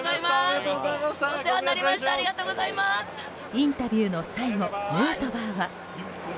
インタビューの最後ヌートバーは。